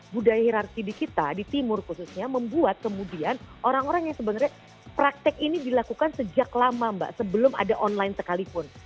budaya hirarki di kita di timur khususnya membuat kemudian orang orang yang sebenarnya praktek ini dilakukan sejak lama mbak sebelum ada online sekalipun